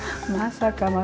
まさか！